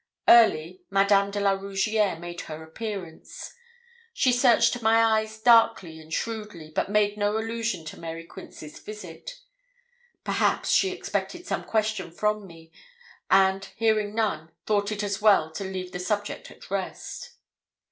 Early, Madame de la Rougierre made her appearance; she searched my eyes darkly and shrewdly, but made no allusion to Mary Quince's visit. Perhaps she expected some question from me, and, hearing none, thought it as well to leave the subject at rest.